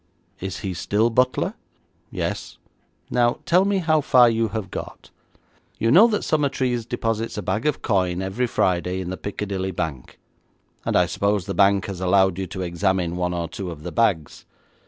'Is he still butler?' 'Yes.' 'Now tell me how far you have got. You know that Summertrees deposits a bag of coin every Friday in the Piccadilly bank, and I suppose the bank has allowed you to examine one or two of the bags.'